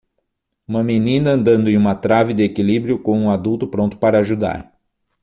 Uma menina andando em uma trave de equilíbrio com um adulto pronto para ajudar